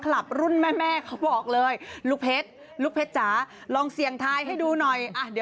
กลับไปดีน่ะต่อไปดี